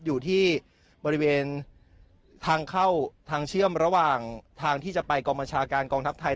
อยู่ที่บริเวณทางเข้าทางเชื่อมระหว่างทางที่จะไปกองบัญชาการกองทัพไทย